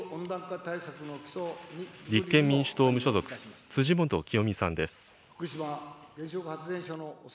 立憲民主党・無所属、辻元清美さんです。